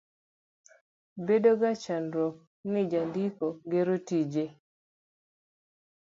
Bedoga chandruok ni jandiko gero tije.